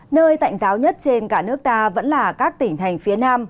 nơi tạnh giáo nhất trên cả nước ta vẫn là các tỉnh thành phía nam